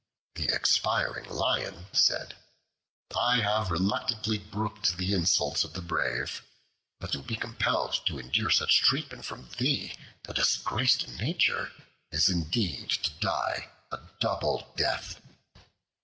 The expiring Lion said, "I have reluctantly brooked the insults of the brave, but to be compelled to endure such treatment from thee, a disgrace to Nature, is indeed to die a double death."